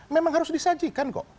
memang harus disajikan kok